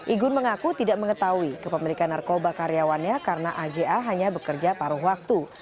igun mengaku tidak mengetahui kepemilikan narkoba karyawannya karena aja hanya bekerja paruh waktu